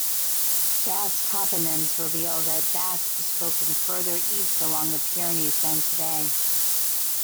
Basque toponyms reveal that Basque was spoken further east along the Pyrenees than today.